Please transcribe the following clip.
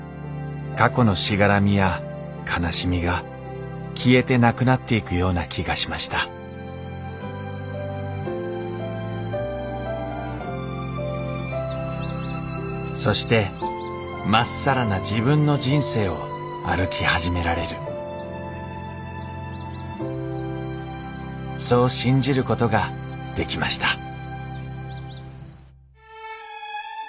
過去のしがらみや悲しみが消えてなくなっていくような気がしましたそして真っさらな自分の人生を歩き始められるそう信じることができました